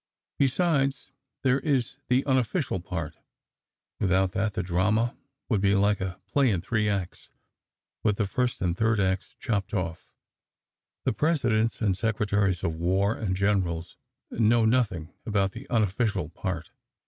Besides, there is the unofficial part. Without that, the drama would be like a play in three acts, with the first and third acts chopped off. The presidents and secretaries of war and generals know nothing about the unofficial part.